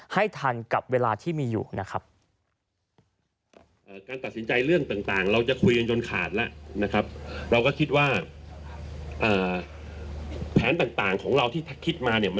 ให้ทันกับเวลาที่มีอยู่นะครับ